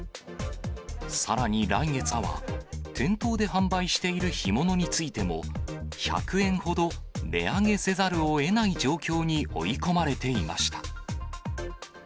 さらに来月からは、店頭で販売している干物についても、１００円ほど値上げせざるをえない状況に追い込まれていました。